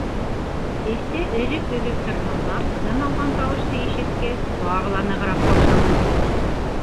Эстә өҙөк-өҙөк тырһылдап тын алған тауышты ишеткәс, тағы ла нығыраҡ ҡаушаны.